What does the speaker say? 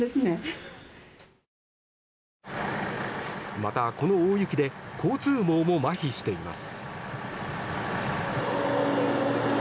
またこの大雪で交通網もまひしています。